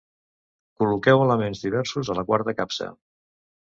Col·loqueu elements diversos a la quarta capsa.